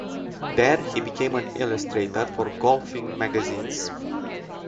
There he became an illustrator for golfing magazines.